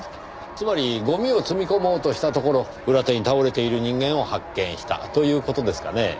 つまりゴミを積み込もうとしたところ裏手に倒れている人間を発見したという事ですかねぇ。